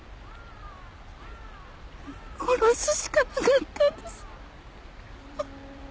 殺すしかなかったんです。